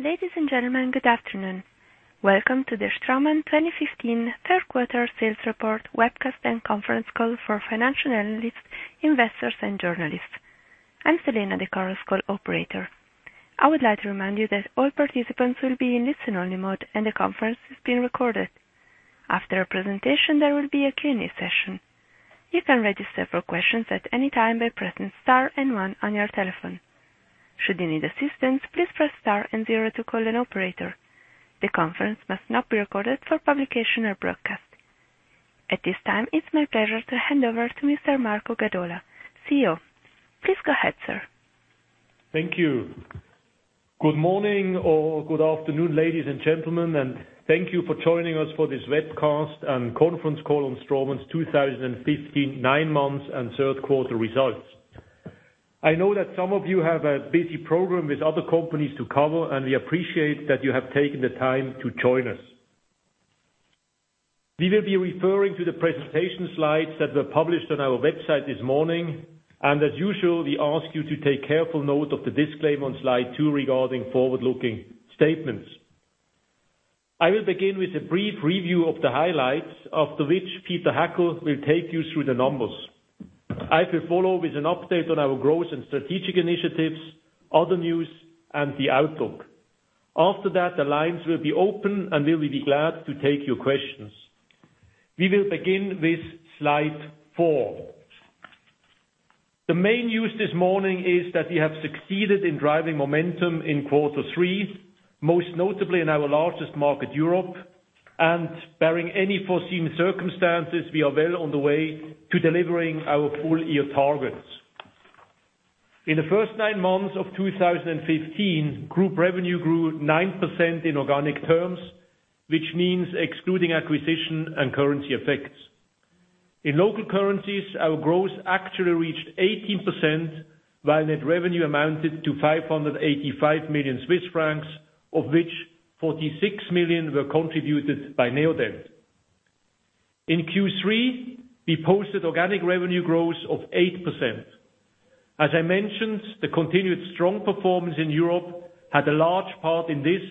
Ladies and gentlemen, good afternoon. Welcome to the Straumann 2015 third quarter sales report webcast and conference call for financial analysts, investors, and journalists. I'm Selena, the conference call operator. I would like to remind you that all participants will be in listen-only mode, and the conference is being recorded. After a presentation, there will be a Q&A session. You can register for questions at any time by pressing Star and One on your telephone. Should you need assistance, please press Star and Zero to call an operator. The conference must not be recorded for publication or broadcast. At this time, it's my pleasure to hand over to Mr. Marco Gadola, CEO. Please go ahead, sir. Thank you. Good morning or good afternoon, ladies and gentlemen, thank you for joining us for this webcast and conference call on Straumann's 2015 nine months and third quarter results. I know that some of you have a busy program with other companies to cover. We appreciate that you have taken the time to join us. We will be referring to the presentation slides that were published on our website this morning. As usual, we ask you to take careful note of the disclaimer on slide two regarding forward-looking statements. I will begin with a brief review of the highlights, after which Peter Hackel will take you through the numbers. I will follow with an update on our growth and strategic initiatives, other news, and the outlook. After that, the lines will be open, and we will be glad to take your questions. We will begin with slide four. The main news this morning is that we have succeeded in driving momentum in quarter three, most notably in our largest market, Europe. Barring any foreseen circumstances, we are well on the way to delivering our full-year targets. In the first nine months of 2015, group revenue grew 9% in organic terms, which means excluding acquisition and currency effects. In local currencies, our growth actually reached 18%, while net revenue amounted to 585 million Swiss francs, of which 46 million were contributed by Neodent. In Q3, we posted organic revenue growth of 8%. As I mentioned, the continued strong performance in Europe had a large part in this.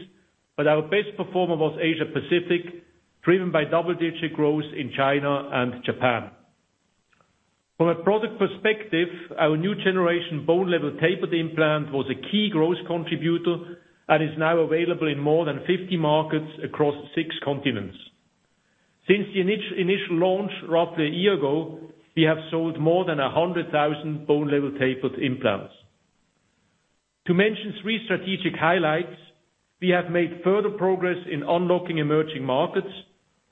Our best performer was Asia-Pacific, driven by double-digit growth in China and Japan. From a product perspective, our new generation Bone Level Tapered implant was a key growth contributor and is now available in more than 50 markets across six continents. Since the initial launch roughly a year ago, we have sold more than 100,000 Bone Level Tapered implants. To mention three strategic highlights: We have made further progress in unlocking emerging markets,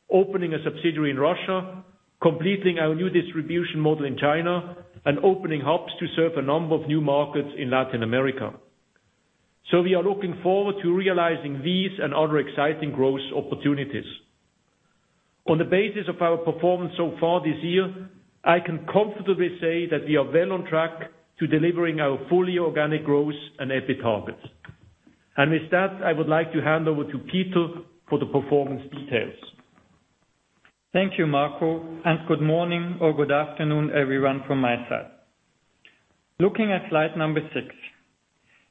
opening a subsidiary in Russia, completing our new distribution model in China, and opening hubs to serve a number of new markets in Latin America. We are looking forward to realizing these and other exciting growth opportunities. On the basis of our performance so far this year, I can comfortably say that we are well on track to delivering our fully organic growth and EBIT targets. With that, I would like to hand over to Peter for the performance details. Thank you, Marco, good morning or good afternoon, everyone, from my side. Looking at slide number six.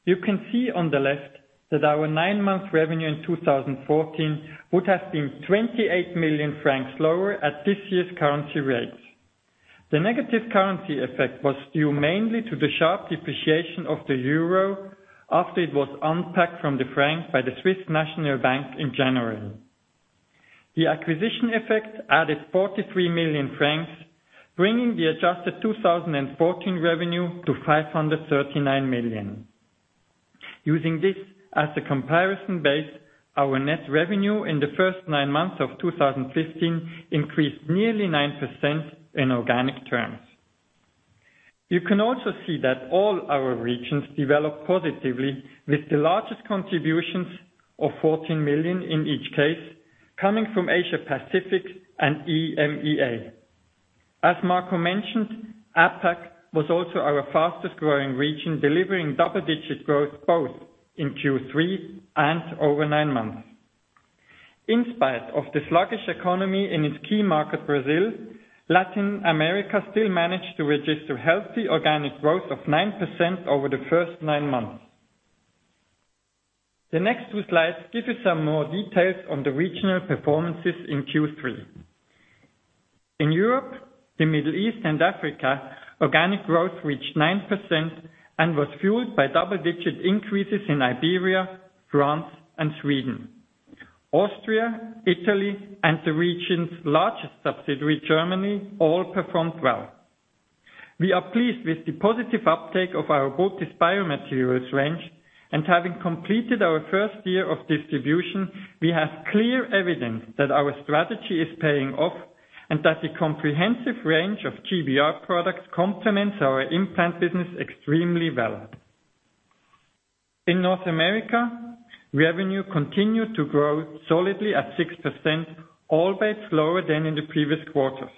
You can see on the left that our nine-month revenue in 2014 would have been 28 million francs lower at this year's currency rates. The negative currency effect was due mainly to the sharp depreciation of the euro after it was unpegged from the CHF by the Swiss National Bank in January. The acquisition effect added 43 million francs, bringing the adjusted 2014 revenue to 539 million. Using this as a comparison base, our net revenue in the first nine months of 2015 increased nearly 9% in organic terms. You can also see that all our regions developed positively with the largest contributions of 14 million in each case coming from Asia-Pacific and EMEA. As Marco mentioned, APAC was also our fastest-growing region, delivering double-digit growth both in Q3 and over nine months. In spite of the sluggish economy in its key market, Brazil, Latin America still managed to register healthy organic growth of 9% over the first nine months. The next two slides give you some more details on the regional performances in Q3. In Europe, the Middle East, and Africa, organic growth reached 9% and was fueled by double-digit increases in Iberia, France, and Sweden. Austria, Italy, and the region's largest subsidiary, Germany, all performed well. We are pleased with the positive uptake of our Botiss Biomaterials range, and having completed our first year of distribution, we have clear evidence that our strategy is paying off and that the comprehensive range of GBR products complements our implant business extremely well. In North America, revenue continued to grow solidly at 6%, albeit slower than in the previous quarters.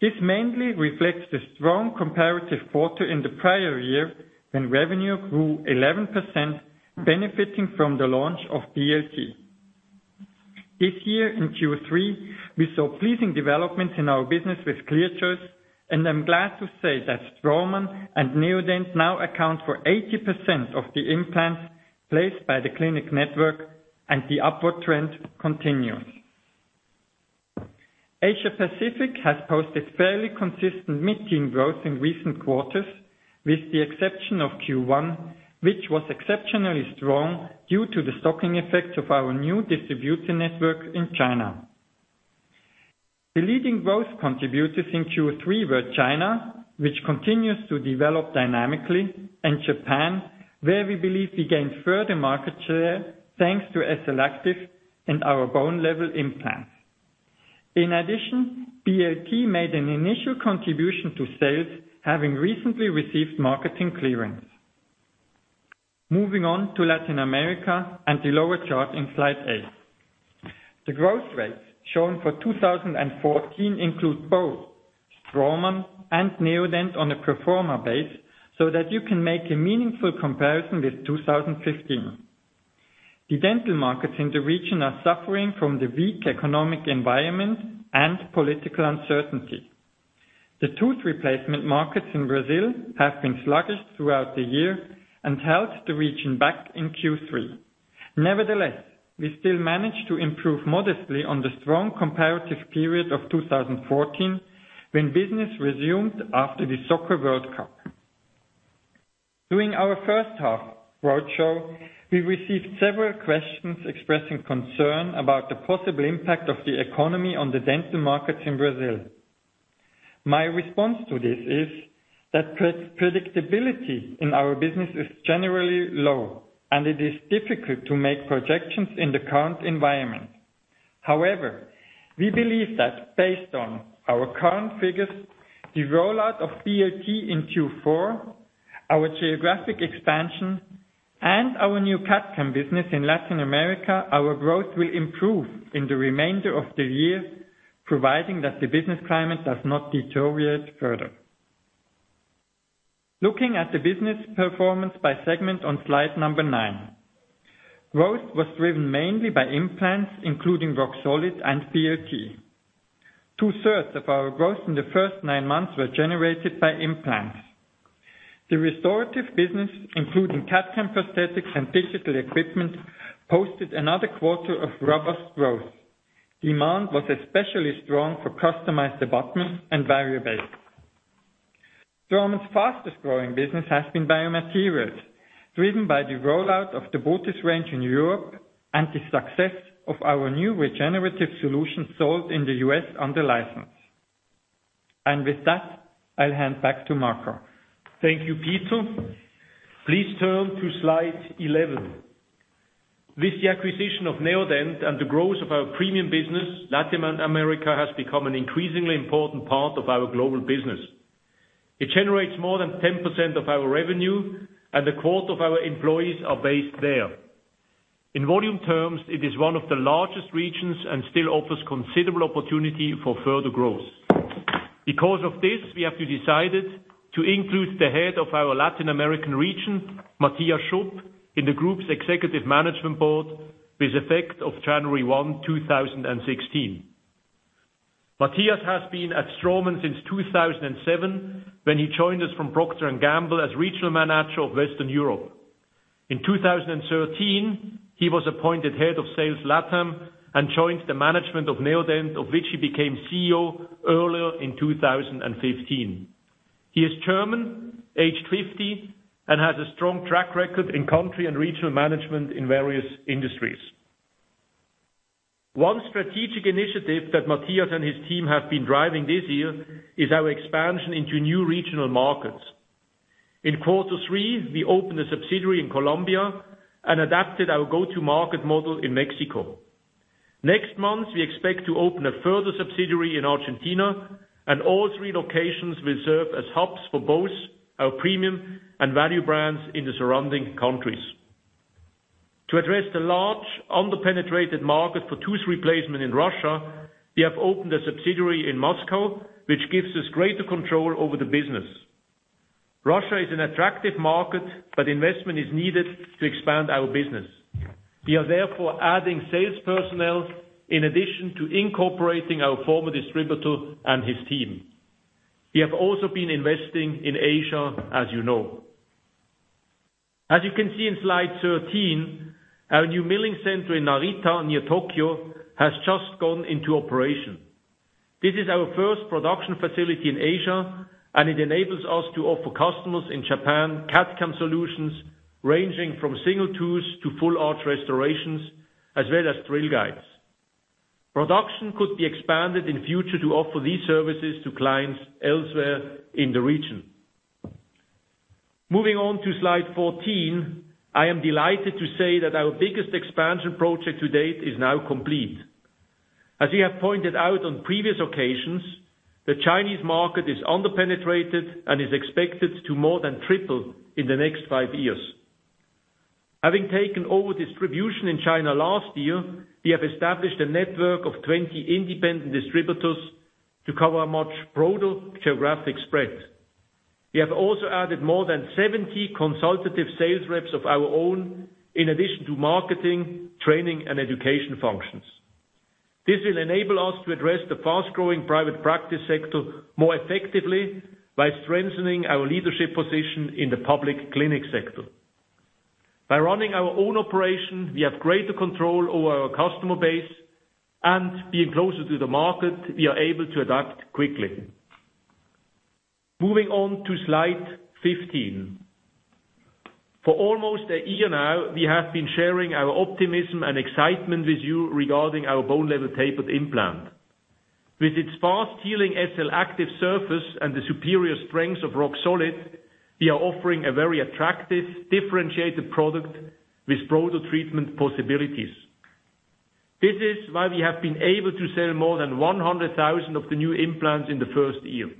This mainly reflects the strong comparative quarter in the prior year, when revenue grew 11%, benefiting from the launch of BLT. This year in Q3, we saw pleasing developments in our business with ClearChoice, and I am glad to say that Straumann and Neodent now account for 80% of the implants placed by the clinic network, and the upward trend continues. Asia Pacific has posted fairly consistent mid-teen growth in recent quarters, with the exception of Q1, which was exceptionally strong due to the stocking effect of our new distribution network in China. The leading growth contributors in Q3 were China, which continues to develop dynamically, and Japan, where we believe we gained further market share thanks to SLActive and our Bone Level implants. In addition, BLT made an initial contribution to sales, having recently received marketing clearance. Moving on to Latin America and the lower chart in slide eight. The growth rates shown for 2014 include both Straumann and Neodent on a pro forma base, so that you can make a meaningful comparison with 2015. The dental markets in the region are suffering from the weak economic environment and political uncertainty. The tooth replacement markets in Brazil have been sluggish throughout the year and held the region back in Q3. Nevertheless, we still managed to improve modestly on the strong comparative period of 2014, when business resumed after the Soccer World Cup. During our first half roadshow, we received several questions expressing concern about the possible impact of the economy on the dental markets in Brazil. My response to this is that predictability in our business is generally low, and it is difficult to make projections in the current environment. However, we believe that based on our current figures, the rollout of BLT in Q4, our geographic expansion, and our new CAD/CAM business in Latin America, our growth will improve in the remainder of the year, providing that the business climate does not deteriorate further. Looking at the business performance by segment on slide number nine. Growth was driven mainly by implants, including Roxolid and BLT. Two-thirds of our growth in the first nine months were generated by implants. The restorative business, including CAD/CAM prosthetics and digital equipment, posted another quarter of robust growth. Demand was especially strong for customized abutments and bar prosthetics. Straumann’s fastest-growing business has been biomaterials, driven by the rollout of the Botiss range in Europe and the success of our new regenerative solution sold in the U.S. under license. With that, I’ll hand back to Marco. Thank you, Peter. Please turn to slide 11. With the acquisition of Neodent and the growth of our premium business, Latin America has become an increasingly important part of our global business. It generates more than 10% of our revenue, and a quarter of our employees are based there. In volume terms, it is one of the largest regions and still offers considerable opportunity for further growth. Because of this, we have decided to include the head of our Latin American region, Matthias Schupp, in the group’s executive management board with effect of January 1, 2016. Matthias has been at Straumann since 2007, when he joined us from Procter & Gamble as regional manager of Western Europe. In 2013, he was appointed head of sales Latam and joined the management of Neodent, of which he became CEO earlier in 2015. He is German, aged 50, and has a strong track record in country and regional management in various industries. One strategic initiative that Matthias and his team have been driving this year is our expansion into new regional markets. In quarter three, we opened a subsidiary in Colombia and adapted our go-to-market model in Mexico. Next month, we expect to open a further subsidiary in Argentina, and all three locations will serve as hubs for both our premium and value brands in the surrounding countries. To address the large under-penetrated market for tooth replacement in Russia, we have opened a subsidiary in Moscow, which gives us greater control over the business. Russia is an attractive market, investment is needed to expand our business. We are therefore adding sales personnel in addition to incorporating our former distributor and his team. We have also been investing in Asia, as you know. As you can see in slide 13, our new milling center in Narita, near Tokyo, has just gone into operation. This is our first production facility in Asia, and it enables us to offer customers in Japan CAD/CAM solutions ranging from single tooths to full-arch restorations, as well as drill guides. Production could be expanded in future to offer these services to clients elsewhere in the region. Moving on to slide 14, I am delighted to say that our biggest expansion project to date is now complete. As we have pointed out on previous occasions, the Chinese market is under-penetrated and is expected to more than triple in the next five years. Having taken over distribution in China last year, we have established a network of 20 independent distributors to cover a much broader geographic spread. We have also added more than 70 consultative sales reps of our own, in addition to marketing, training, and education functions. This will enable us to address the fast-growing private practice sector more effectively by strengthening our leadership position in the public clinic sector. By running our own operation, we have greater control over our customer base, and being closer to the market, we are able to adapt quickly. Moving on to slide 15. For almost a year now, we have been sharing our optimism and excitement with you regarding our Bone Level Tapered implant. With its fast-healing SLActive surface and the superior strength of Roxolid, we are offering a very attractive, differentiated product with broader treatment possibilities. This is why we have been able to sell more than 100,000 of the new implants in the first year.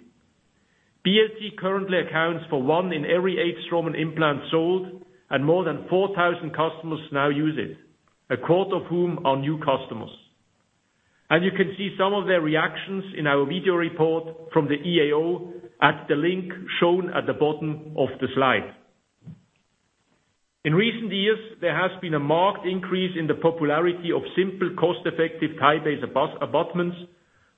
BLT currently accounts for one in every eight Straumann implants sold, and more than 4,000 customers now use it, a quarter of whom are new customers. You can see some of their reactions in our video report from the EAO at the link shown at the bottom of the slide. In recent years, there has been a marked increase in the popularity of simple, cost-effective TiBase abutments,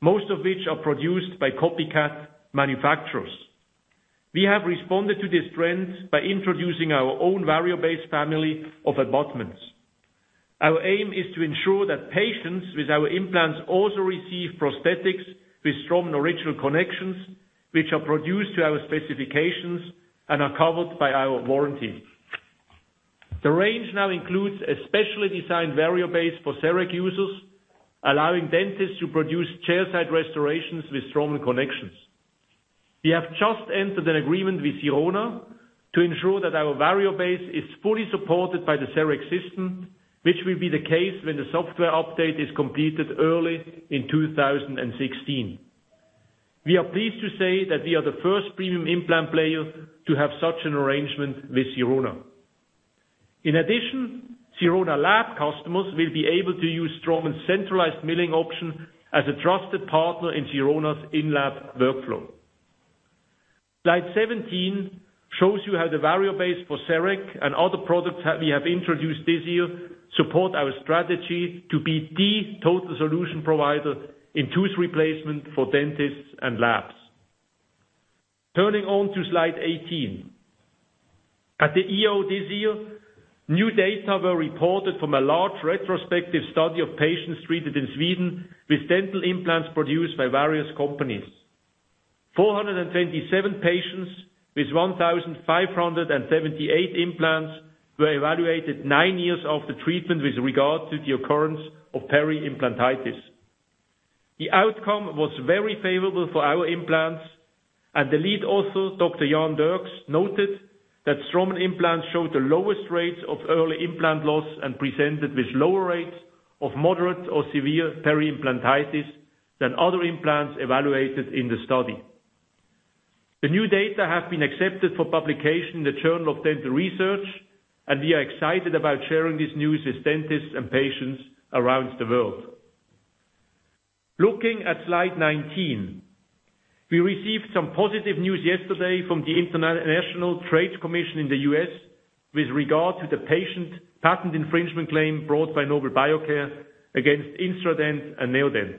most of which are produced by copycat manufacturers. We have responded to this trend by introducing our own Variobase family of abutments. Our aim is to ensure that patients with our implants also receive prosthetics with Straumann original connections, which are produced to our specifications and are covered by our warranty. The range now includes a specially designed Variobase for CEREC users, allowing dentists to produce chairside restorations with Straumann connections. We have just entered an agreement with Sirona to ensure that our Variobase is fully supported by the CEREC system, which will be the case when the software update is completed early in 2016. We are pleased to say that we are the first premium implant player to have such an arrangement with Sirona. In addition, Sirona lab customers will be able to use Straumann's centralized milling option as a trusted partner in Sirona's in-lab workflow. Slide 17 shows you how the Variobase for CEREC and other products that we have introduced this year support our strategy to be the total solution provider in tooth replacement for dentists and labs. Turning on to slide 18. At the EAO this year, new data were reported from a large retrospective study of patients treated in Sweden with dental implants produced by various companies. 427 patients with 1,578 implants were evaluated nine years after treatment with regard to the occurrence of peri-implantitis. The outcome was very favorable for our implants, and the lead author, Dr. Jan Derks, noted that Straumann implants showed the lowest rates of early implant loss and presented with lower rates of moderate or severe peri-implantitis than other implants evaluated in the study. The new data have been accepted for publication in the "Journal of Dental Research", and we are excited about sharing this news with dentists and patients around the world. Looking at slide 19, we received some positive news yesterday from the International Trade Commission in the U.S. with regard to the patent infringement claim brought by Nobel Biocare against Astra Tech and Neodent.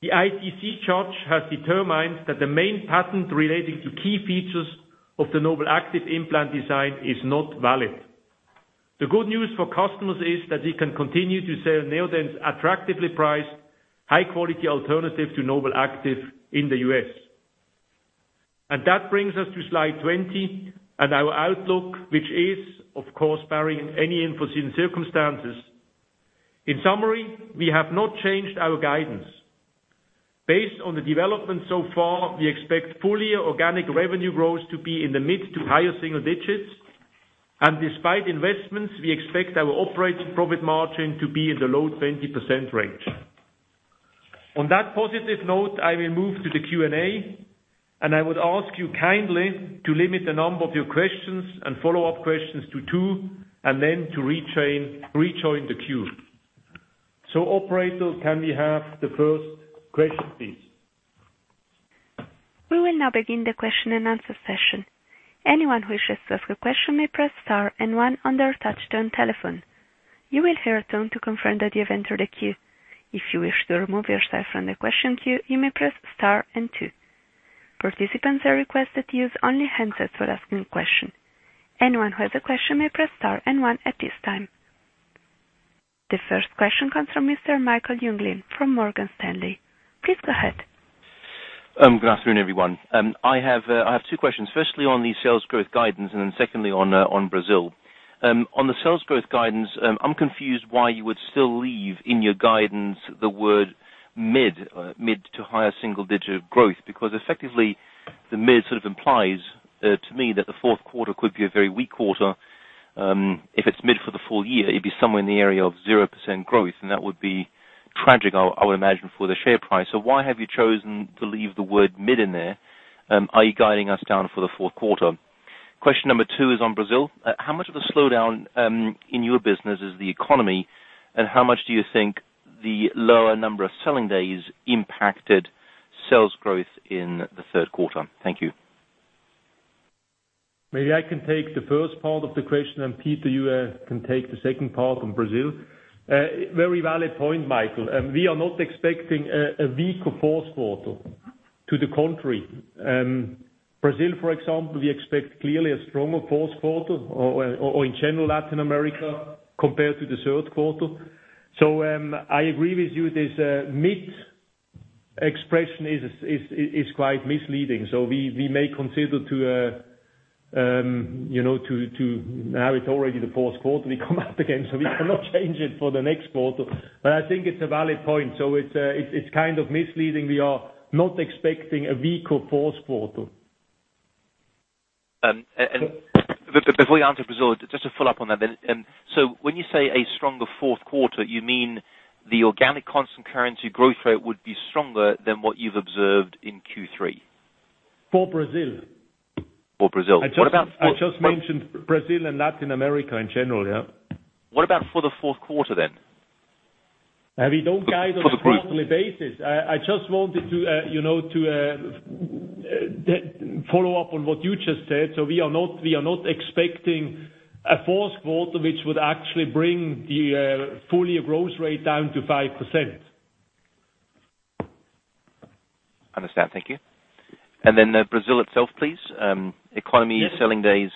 The ITC judge has determined that the main patent relating to key features of the NobelActive implant design is not valid. The good news for customers is that we can continue to sell Neodent's attractively priced, high-quality alternative to NobelActive in the U.S. That brings us to slide 20 and our outlook, which is, of course, barring any unforeseen circumstances. In summary, we have not changed our guidance. Based on the development so far, we expect full-year organic revenue growth to be in the mid- to higher single digits, and despite investments, we expect our operating profit margin to be in the low 20% range. On that positive note, I will move to the Q&A, and I would ask you kindly to limit the number of your questions and follow-up questions to two, and then to rejoin the queue. Operator, can we have the first question, please? We will now begin the question-and-answer session. Anyone who wishes to ask a question may press star and one on their touch-tone telephone. You will hear a tone to confirm that you have entered the queue. If you wish to remove yourself from the question queue, you may press star and two. Participants are requested to use only handsets for asking questions. Anyone who has a question may press star and one at this time. The first question comes from Mr. Michael Jungling from Morgan Stanley. Please go ahead. Good afternoon, everyone. I have two questions. Firstly, on the sales growth guidance, secondly on Brazil. On the sales growth guidance, I'm confused why you would still leave in your guidance the word mid to higher single digit growth, because effectively, the mid sort of implies to me that the fourth quarter could be a very weak quarter. If it's mid for the full year, it'd be somewhere in the area of 0% growth, and that would be tragic, I would imagine, for the share price. Why have you chosen to leave the word mid in there? Are you guiding us down for the fourth quarter? Question number two is on Brazil. How much of the slowdown in your business is the economy, and how much do you think the lower number of selling days impacted sales growth in the third quarter? Thank you. Maybe I can take the first part of the question, Peter, you can take the second part on Brazil. A very valid point, Michael. We are not expecting a weak fourth quarter. To the contrary. Brazil, for example, we expect clearly a stronger fourth quarter or in general, Latin America, compared to the third quarter. I agree with you, this mid expression is quite misleading. We may consider to now it's already the fourth quarter we come out again, so we cannot change it for the next quarter. I think it's a valid point. It's kind of misleading. We are not expecting a weaker fourth quarter. Before you answer Brazil, just a follow-up on that then. When you say a stronger fourth quarter, you mean the organic constant currency growth rate would be stronger than what you've observed in Q3? For Brazil. For Brazil. What about I just mentioned Brazil and Latin America in general, yeah. What about for the fourth quarter then? We don't guide on a quarterly basis. I just wanted to follow up on what you just said. We are not expecting a fourth quarter, which would actually bring the full year growth rate down to 5%. Understand. Thank you. Brazil itself, please. Economy, selling days.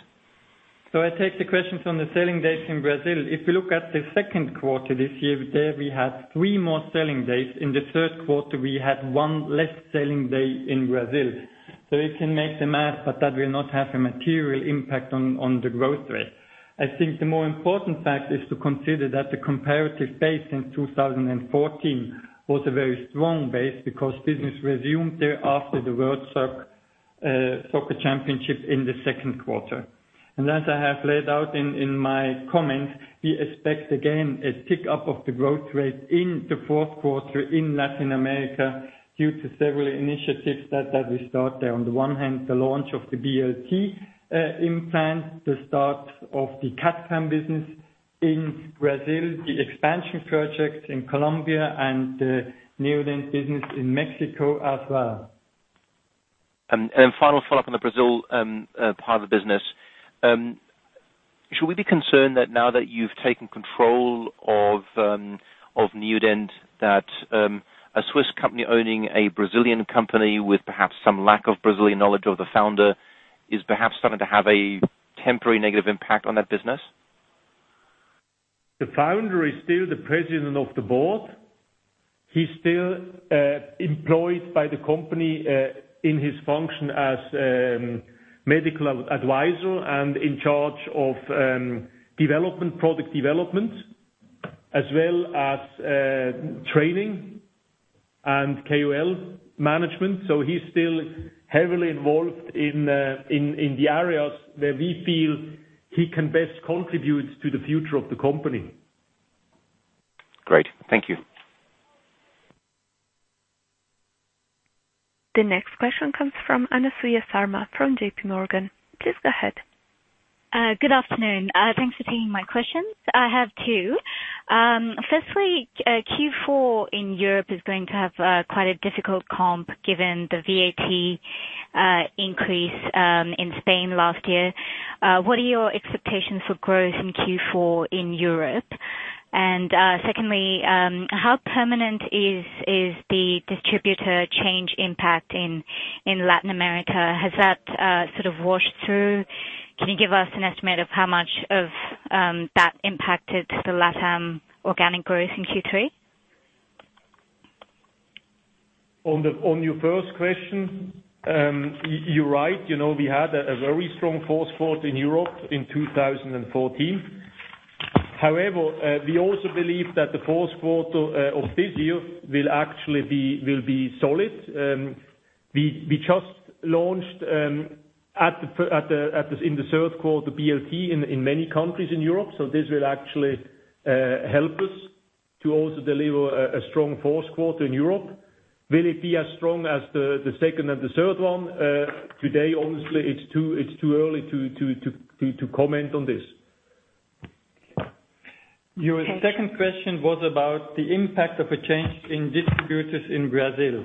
I take the questions on the selling days in Brazil. If you look at the second quarter this year, there we had three more selling days. In the third quarter, we had one less selling day in Brazil. You can make the math, but that will not have a material impact on the growth rate. I think the more important fact is to consider that the comparative base in 2014 was a very strong base because business resumed there after the FIFA World Cup in the second quarter. As I have laid out in my comments, we expect again, a tick up of the growth rate in the fourth quarter in Latin America due to several initiatives that we start there. On the one hand, the launch of the BLT implant, the start of the CAD/CAM business in Brazil, the expansion project in Colombia, and Neodent business in Mexico as well. Final follow-up on the Brazil part of the business. Should we be concerned that now that you've taken control of Neodent that a Swiss company owning a Brazilian company with perhaps some lack of Brazilian knowledge of the founder is perhaps starting to have a temporary negative impact on that business? The founder is still the president of the board. He is still employed by the company, in his function as medical advisor and in charge of product development, as well as training and KOL management. He is still heavily involved in the areas where we feel he can best contribute to the future of the company. Great. Thank you. The next question comes from Anasuya Sarma from JP Morgan. Please go ahead. Good afternoon. Thanks for taking my questions. I have two. Firstly, Q4 in Europe is going to have quite a difficult comp given the VAT increase in Spain last year. What are your expectations for growth in Q4 in Europe? Secondly, how permanent is the distributor change impact in Latin America? Has that sort of washed through? Can you give us an estimate of how much of that impacted the LATAM organic growth in Q3? On your first question, you're right. We had a very strong fourth quarter in Europe in 2014. However, we also believe that the fourth quarter of this year will be solid. We just launched in the third quarter BLT in many countries in Europe. This will actually help us to also deliver a strong fourth quarter in Europe. Will it be as strong as the second and the third one? Today, honestly, it is too early to comment on this. Thank you. Your second question was about the impact of a change in distributors in Brazil.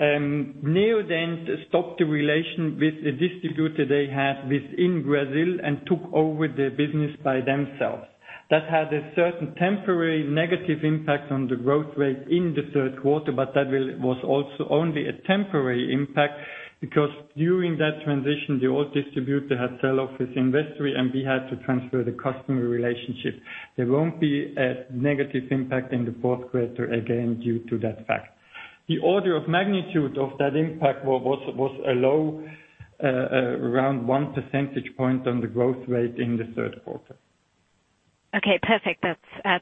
Neodent stopped the relation with a distributor they had within Brazil and took over the business by themselves. That had a certain temporary negative impact on the growth rate in the third quarter. That was also only a temporary impact because during that transition, the old distributor had sell-off his inventory, and we had to transfer the customer relationship. There won't be a negative impact in the fourth quarter again due to that fact. The order of magnitude of that impact was a low around one percentage point on the growth rate in the third quarter. Okay, perfect.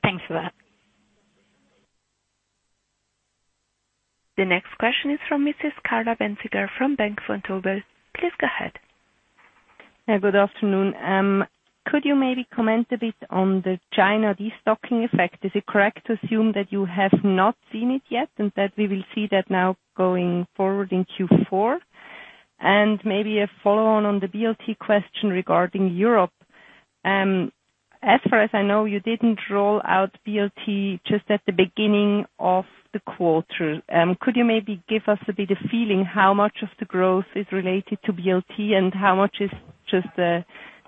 Thanks for that. The next question is from Mrs. Carla Bänziger from Bank Vontobel. Please go ahead. Good afternoon. Could you maybe comment a bit on the China destocking effect? Is it correct to assume that you have not seen it yet, and that we will see that now going forward in Q4? Maybe a follow-on on the BLT question regarding Europe. As far as I know, you didn't roll out BLT just at the beginning of the quarter. Could you maybe give us a bit of feeling how much of the growth is related to BLT and how much is just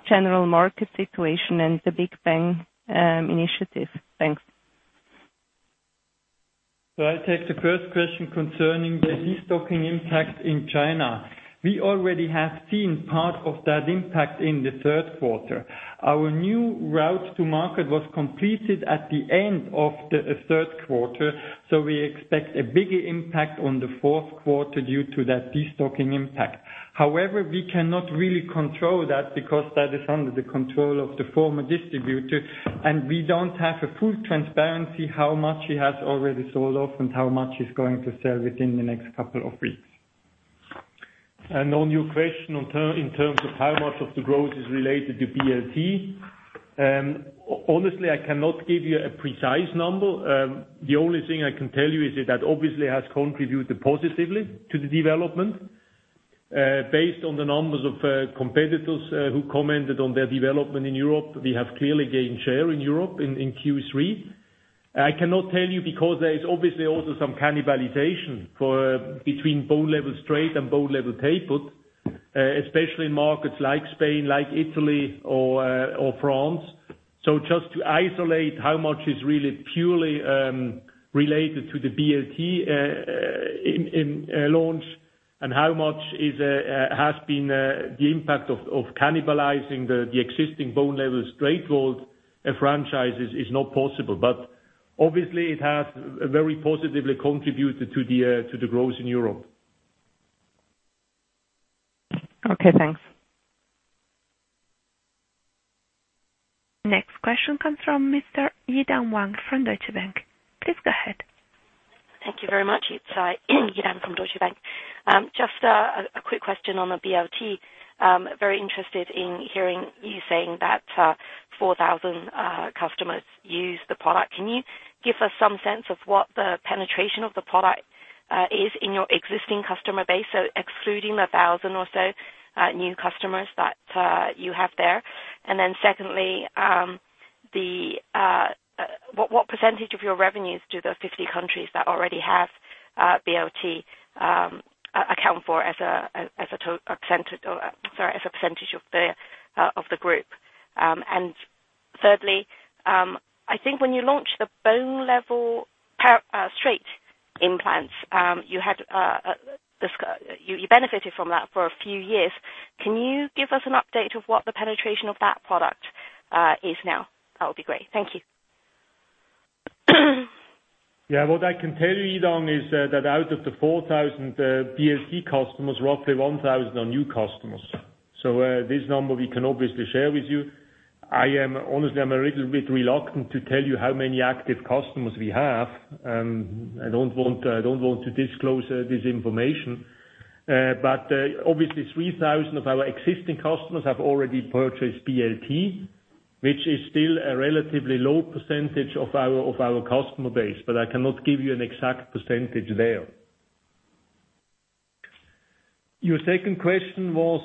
the general market situation and the Big Bang initiative? Thanks. I'll take the first question concerning the destocking impact in China. We already have seen part of that impact in the third quarter. Our new route to market was completed at the end of the third quarter, so we expect a bigger impact on the fourth quarter due to that destocking impact. However, we cannot really control that because that is under the control of the former distributor, and we don't have a full transparency how much he has already sold off and how much he's going to sell within the next couple of weeks. On your question in terms of how much of the growth is related to BLT, honestly, I cannot give you a precise number. The only thing I can tell you is that obviously has contributed positively to the development. Based on the numbers of competitors who commented on their development in Europe, we have clearly gained share in Europe in Q3. I cannot tell you because there is obviously also some cannibalization between Bone Level straight and Bone Level Tapered, especially in markets like Spain, like Italy or France. Just to isolate how much is really purely related to the BLT launch and how much has been the impact of cannibalizing the existing Bone Level straight franchises is not possible. Obviously it has very positively contributed to the growth in Europe. Okay, thanks. Next question comes from Mr. Yi-Dan Wang from Deutsche Bank. Please go ahead. Thank you very much. It's Yi-Dan from Deutsche Bank. Just a quick question on the BLT. Very interested in hearing you saying that 4,000 customers use the product. Can you give us some sense of what the penetration of the product is in your existing customer base, so excluding the 1,000 or so new customers that you have there? Secondly, what percentage of your revenues do the 50 countries that already have BLT account for as a percentage of the group? Thirdly, I think when you launched the Bone Level straight implants, you benefited from that for a few years. Can you give us an update of what the penetration of that product is now? That would be great. Thank you. What I can tell you, Yi-Dan, is that out of the 4,000 BLT customers, roughly 1,000 are new customers. This number we can obviously share with you. Honestly, I'm a little bit reluctant to tell you how many active customers we have. I don't want to disclose this information. Obviously 3,000 of our existing customers have already purchased BLT, which is still a relatively low percentage of our customer base, but I cannot give you an exact percentage there. Your second question was,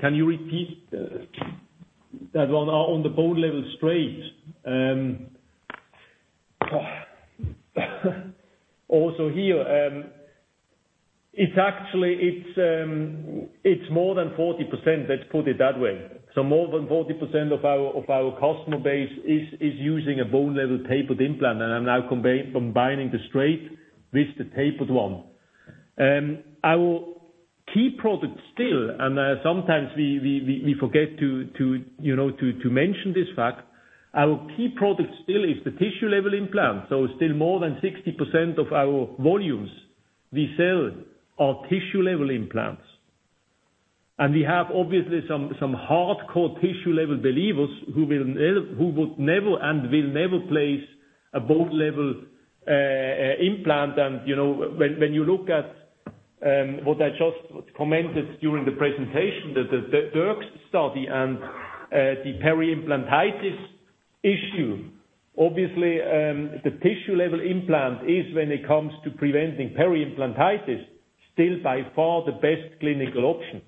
can you repeat that one on the Bone Level straight? Also here, it's more than 40%, let's put it that way. More than 40% of our customer base is using a Bone Level Tapered implant, and are now combining the straight with the tapered one. Our key product still, and sometimes we forget to mention this fact, our key product still is the Tissue Level implant. Still more than 60% of our volumes we sell are Tissue Level implants. We have obviously some hardcore Tissue Level believers who would never and will never place a Bone Level implant. When you look at what I just commented during the presentation, the Derks study and the peri-implantitis issue, obviously the Tissue Level implant is when it comes to preventing peri-implantitis, still by far the best clinical option.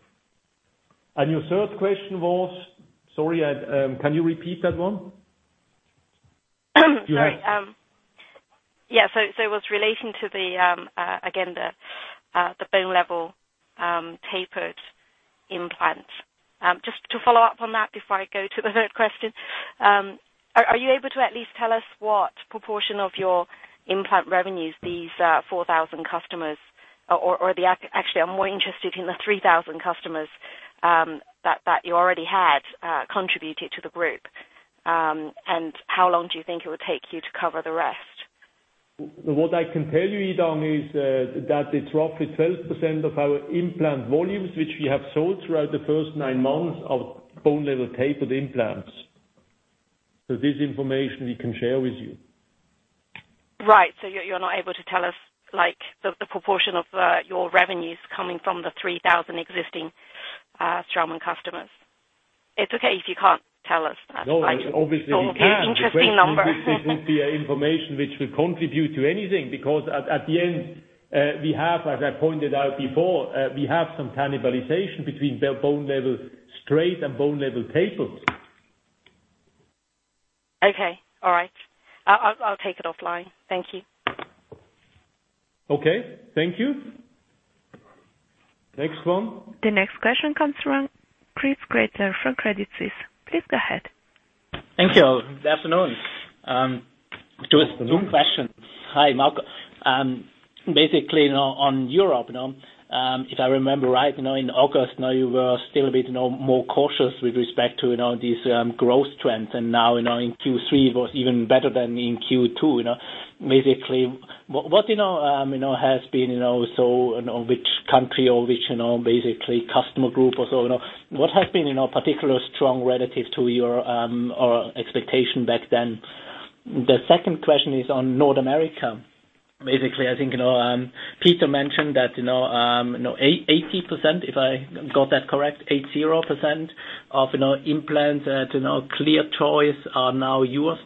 Your third question was? Sorry, can you repeat that one? Sorry. Yeah. It was relating to, again, the Bone Level Tapered implant. Just to follow up on that before I go to the third question, are you able to at least tell us what proportion of your implant revenues these 4,000 customers, or actually I'm more interested in the 3,000 customers that you already had contributed to the group? How long do you think it would take you to cover the rest? What I can tell you, Yi-Dan, is that it's roughly 12% of our implant volumes which we have sold throughout the first nine months of Bone Level Tapered implants. This information we can share with you. Right. You're not able to tell us the proportion of your revenues coming from the 3,000 existing Straumann customers? It's okay if you can't tell us that. No, obviously we can. It's an interesting number. This is the information which will contribute to anything, because at the end, as I pointed out before, we have some cannibalization between Bone Level straight and Bone Level Tapered. Okay. All right. I'll take it offline. Thank you. Okay. Thank you. Next one. The next question comes from Christoph Gretler from Credit Suisse. Please go ahead. Thank you. Good afternoon. Good afternoon. Two questions. Hi, Marco. Basically, on Europe, if I remember right, in August, you were still a bit more cautious with respect to these growth trends, and now in Q3 it was even better than in Q2. Basically, what has been which country or which customer group or so, what has been particular strong relative to your expectation back then? The second question is on North America. Basically, I think Peter mentioned that 80%, if I got that correct, 80% of implants ClearChoice are now yours.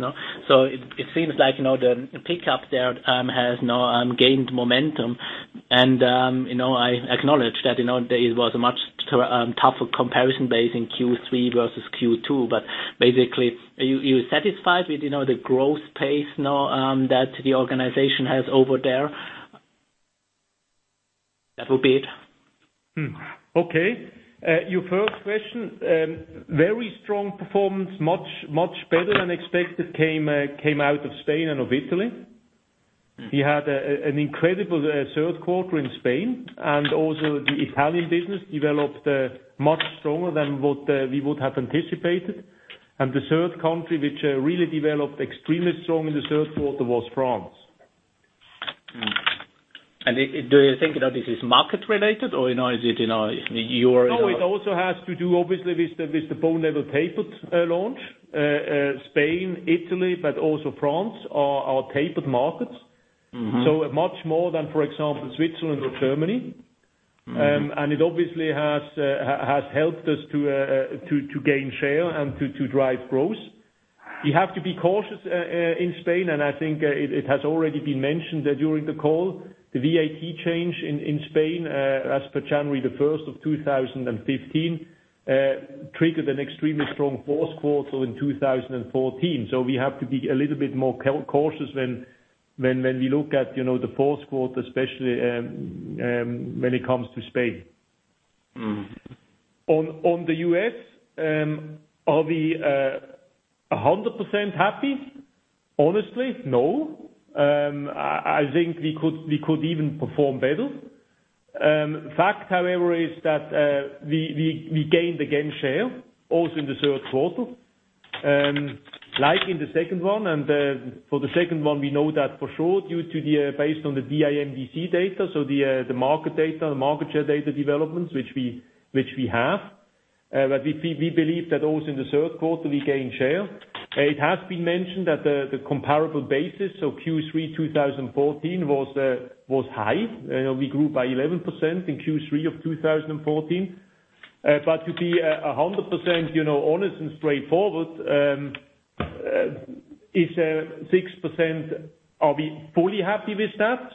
So it seems like the pickup there has gained momentum. I acknowledge that it was a much tougher comparison base in Q3 versus Q2, but basically, are you satisfied with the growth pace that the organization has over there? That would be it. Okay. Your first question, very strong performance, much better than expected came out of Spain and of Italy. We had an incredible third quarter in Spain, and also the Italian business developed much stronger than what we would have anticipated. The third country which really developed extremely strong in the third quarter was France. Do you think that this is market-related, or is it your- No, it also has to do, obviously, with the Bone Level Tapered launch. Spain, Italy, but also France, are our tapered markets. Much more than, for example, Switzerland or Germany. It obviously has helped us to gain share and to drive growth. We have to be cautious in Spain, and I think it has already been mentioned during the call, the VAT change in Spain as per January the 1st of 2015 triggered an extremely strong fourth quarter in 2014. We have to be a little bit more cautious when we look at the fourth quarter, especially when it comes to Spain. On the U.S., are we 100% happy? Honestly, no. I think we could even perform better. Fact, however, is that we gained again share, also in the third quarter, like in the second one. For the second one, we know that for sure based on the DIMDC data, the market share data developments which we have. We believe that also in the third quarter, we gained share. It has been mentioned that the comparable basis, Q3 2014 was high. We grew by 11% in Q3 of 2014. To be 100% honest and straightforward, 6%, are we fully happy with that?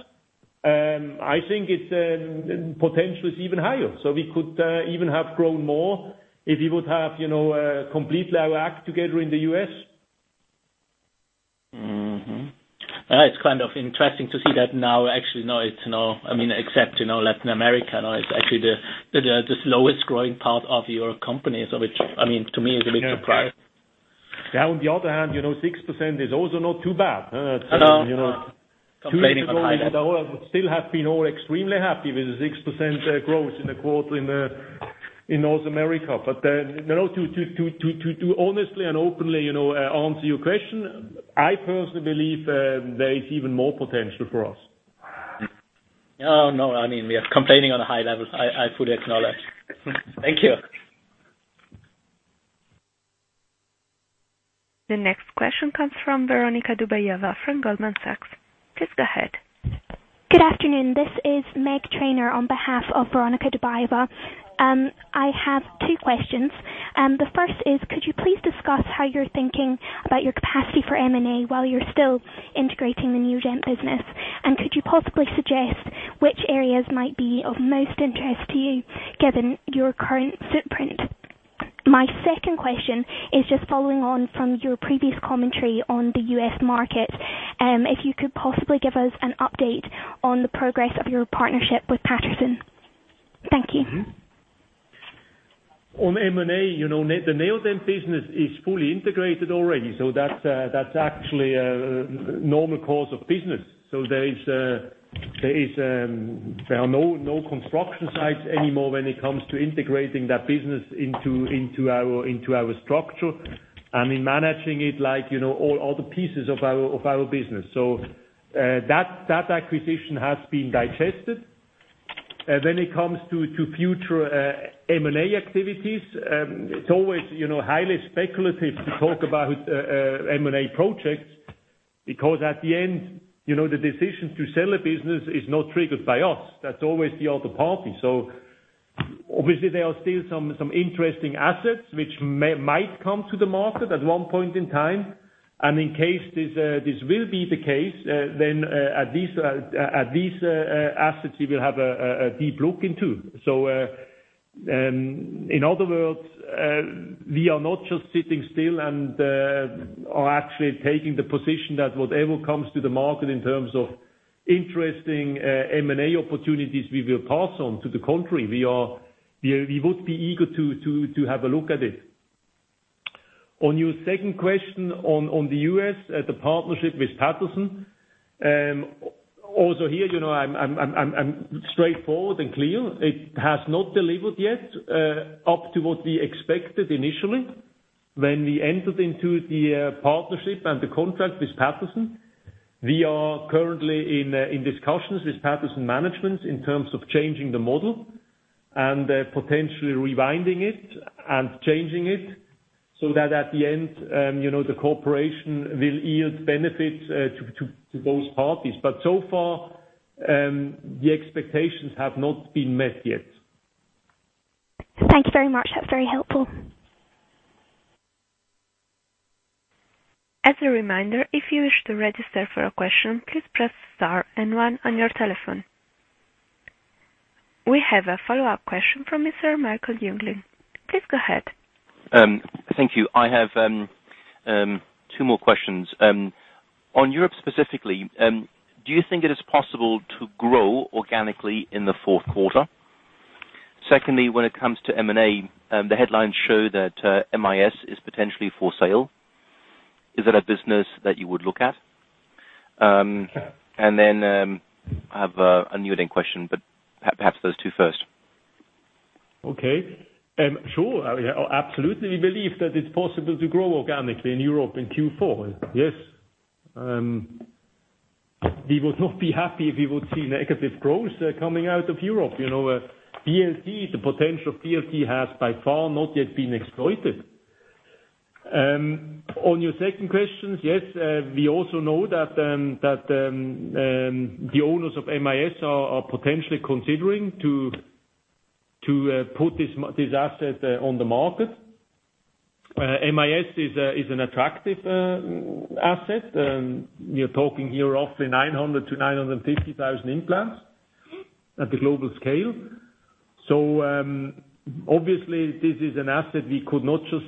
I think its potential is even higher. We could even have grown more if we would have complete our act together in the U.S. Mm-hmm. It's kind of interesting to see that now actually, except Latin America now, it's actually the slowest growing part of your company. Which, to me, is a bit surprising. Yeah. On the other hand, 6% is also not too bad. No. Complaining on a high level. Two years ago, we still have been extremely happy with the 6% growth in the quarter in North America. To honestly and openly answer your question, I personally believe there is even more potential for us. No, we are complaining on a high level, I fully acknowledge. Thank you. The next question comes from Veronika Dubajova from Goldman Sachs. Please go ahead. Good afternoon. This is Meg Trainor on behalf of Veronika Dubajova. I have two questions. The first is, could you please discuss how you're thinking about your capacity for M&A while you're still integrating the Neodent business? Could you possibly suggest which areas might be of most interest to you given your current footprint? My second question is just following on from your previous commentary on the U.S. market. If you could possibly give us an update on the progress of your partnership with Patterson. Thank you. On M&A, the Neodent business is fully integrated already, that's actually a normal course of business. There are no construction sites anymore when it comes to integrating that business into our structure, and in managing it like all the pieces of our business. That acquisition has been digested. When it comes to future M&A activities, it's always highly speculative to talk about M&A projects, because at the end, the decision to sell a business is not triggered by us. That's always the other party. Obviously there are still some interesting assets which might come to the market at one point in time. In case this will be the case, then at these assets, we will have a deep look into. In other words, we are not just sitting still and are actually taking the position that whatever comes to the market in terms of interesting M&A opportunities, we will pass on. To the contrary, we would be eager to have a look at it. On your second question on the U.S., the partnership with Patterson. Also here, I'm straightforward and clear. It has not delivered yet up to what we expected initially when we entered into the partnership and the contract with Patterson. We are currently in discussions with Patterson management in terms of changing the model and potentially rewinding it and changing it, so that at the end, the corporation will yield benefits to those parties. So far, the expectations have not been met yet. Thank you very much. That's very helpful. As a reminder, if you wish to register for a question, please press star and one on your telephone. We have a follow-up question from Mr. Michael Jungling. Please go ahead. Thank you. I have two more questions. On Europe specifically, do you think it is possible to grow organically in the fourth quarter? Secondly, when it comes to M&A, the headlines show that MIS is potentially for sale. Is it a business that you would look at? I have a Neodent question, perhaps those two first. Okay. Sure. Absolutely, we believe that it's possible to grow organically in Europe in Q4. Yes. We would not be happy if we would see negative growth coming out of Europe. BLT, the potential BLT has by far not yet been exploited. On your second question, yes, we also know that the owners of MIS are potentially considering to put this asset on the market. MIS is an attractive asset. We're talking here roughly 900,000 to 950,000 implants at the global scale. Obviously this is an asset we could not just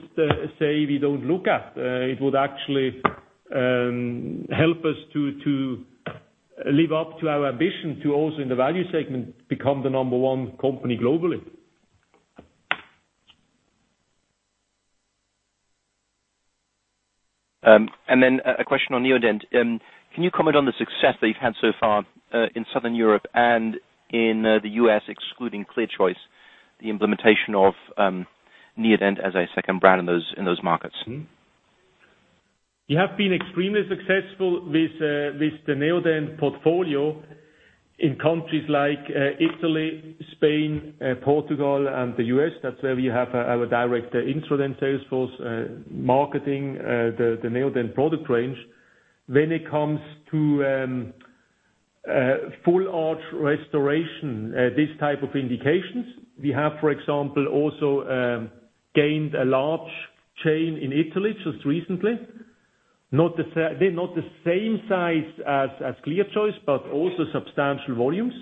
say we don't look at. It would actually help us to live up to our ambition to also in the value segment, become the number one company globally. Then a question on Neodent. Can you comment on the success that you've had so far, in Southern Europe and in the U.S. excluding ClearChoice, the implementation of Neodent as a second brand in those markets? We have been extremely successful with the Neodent portfolio in countries like Italy, Spain, Portugal, and the U.S. That's where we have our direct Instradent sales force, marketing, the Neodent product range. When it comes to full-arch restoration, these type of indications, we have, for example, also gained a large chain in Italy just recently. Not the same size as ClearChoice, but also substantial volumes.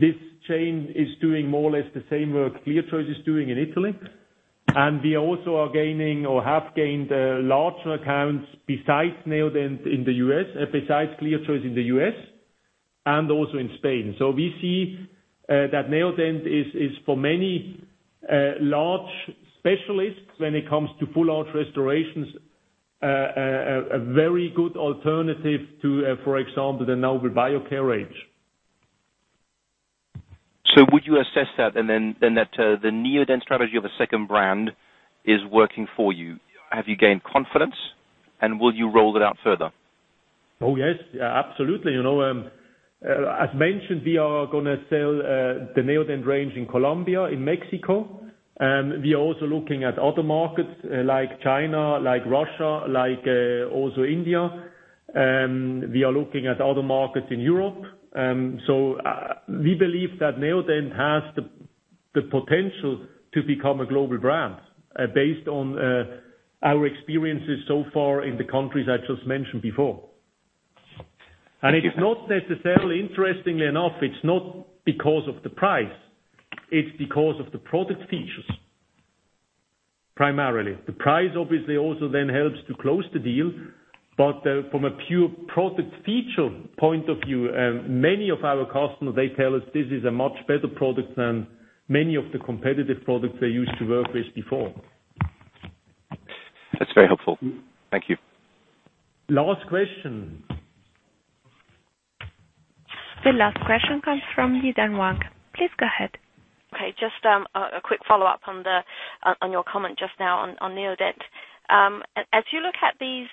This chain is doing more or less the same work ClearChoice is doing in Italy. We also are gaining or have gained larger accounts besides Neodent in the U.S., besides ClearChoice in the U.S., and also in Spain. We see that Neodent is for many large specialists when it comes to full-arch restorations, a very good alternative to, for example, the Nobel Biocare range. Would you assess that and then that the Neodent strategy of a second brand is working for you? Have you gained confidence, and will you roll it out further? Oh, yes. Absolutely. As mentioned, we are going to sell the Neodent range in Colombia, in Mexico. We are also looking at other markets like China, like Russia, like also India. We are looking at other markets in Europe. We believe that Neodent has the potential to become a global brand, based on our experiences so far in the countries I just mentioned before. Interestingly enough, it's not because of the price, it's because of the product features, primarily. The price obviously also then helps to close the deal. From a pure product feature point of view, many of our customers, they tell us this is a much better product than many of the competitive products they used to work with before. That's very helpful. Thank you. Last question. The last question comes from Yi-Dan Wang. Please go ahead. Okay. Just a quick follow-up on your comment just now on Neodent. As you look at these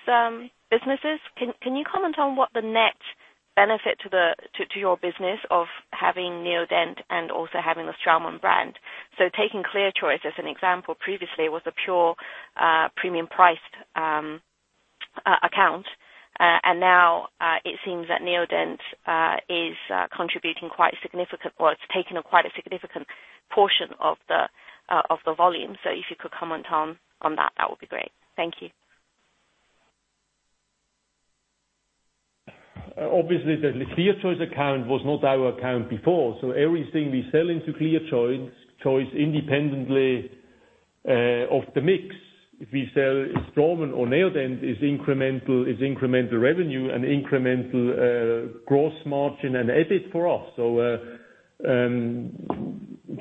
businesses, can you comment on what the net benefit to your business of having Neodent and also having the Straumann brand? Taking ClearChoice as an example, previously was a pure premium priced account, and now it seems that Neodent is contributing quite significant, or it's taken up quite a significant portion of the volume. If you could comment on that would be great. Thank you. Obviously, the ClearChoice account was not our account before, so everything we sell into ClearChoice, independently of the mix, if we sell Straumann or Neodent is incremental revenue and incremental gross margin and EBIT for us.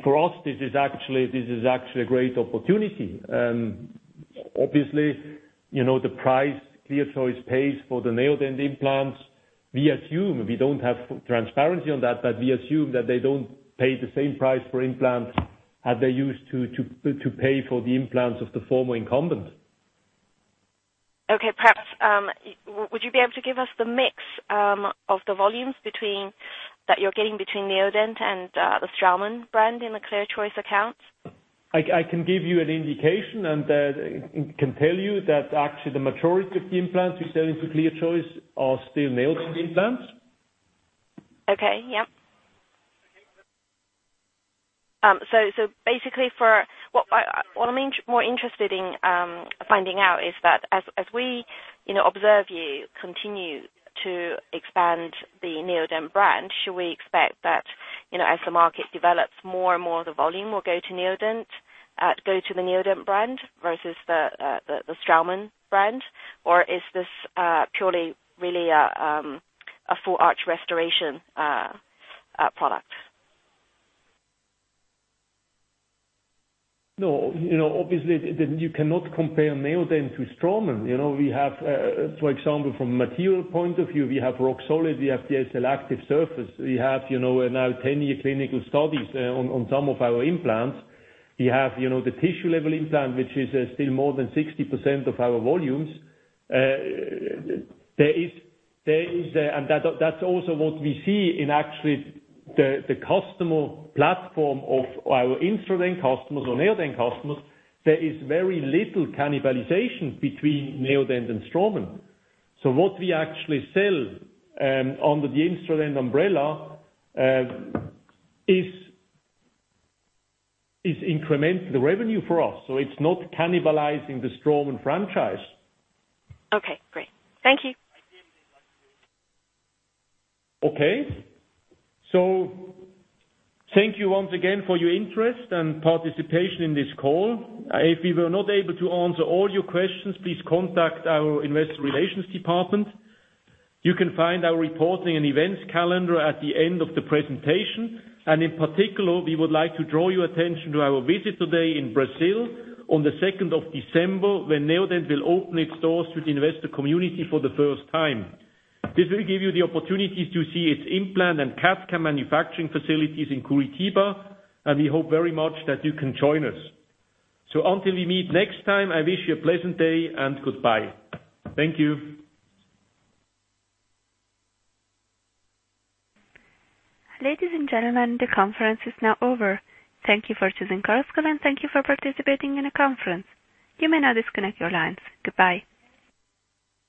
For us, this is actually a great opportunity. Obviously, the price ClearChoice pays for the Neodent implants, we assume, we don't have transparency on that, but we assume that they don't pay the same price for implants as they used to pay for the implants of the former incumbent. Okay. Perhaps, would you be able to give us the mix of the volumes that you're getting between Neodent and the Straumann brand in the ClearChoice account? I can give you an indication and can tell you that actually the majority of the implants we sell into ClearChoice are still Neodent implants. Okay. Yeah. Basically, what I'm more interested in finding out is that as we observe you continue to expand the Neodent brand, should we expect that as the market develops, more and more of the volume will go to the Neodent brand versus the Straumann brand, or is this purely really a full arch restoration product? No. Obviously, you cannot compare Neodent to Straumann. For example, from a material point of view, we have Roxolid, we have SLActive surface. We have now 10-year clinical studies on some of our implants. We have the Tissue Level implant, which is still more than 60% of our volumes. That's also what we see in actually the customer platform of our Instradent customers or Neodent customers, there is very little cannibalization between Neodent and Straumann. What we actually sell under the Instradent umbrella is incremental revenue for us, it's not cannibalizing the Straumann franchise. Okay, great. Thank you. Okay. Thank you once again for your interest and participation in this call. If we were not able to answer all your questions, please contact our investor relations department. You can find our reporting and events calendar at the end of the presentation. In particular, we would like to draw your attention to our visit today in Brazil on the 2nd of December when Neodent will open its doors to the investor community for the first time. This will give you the opportunity to see its implant and CAD/CAM manufacturing facilities in Curitiba, and we hope very much that you can join us. Until we meet next time, I wish you a pleasant day and goodbye. Thank you. Ladies and gentlemen, the conference is now over. Thank you for choosing Straumann and thank you for participating in the conference. You may now disconnect your lines. Goodbye.